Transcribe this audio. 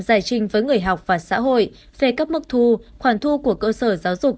giải trình với người học và xã hội về các mức thu khoản thu của cơ sở giáo dục